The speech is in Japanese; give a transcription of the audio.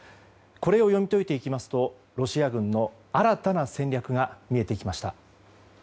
これを読み解いていきますとロシア軍の新たな戦略が見えてきました。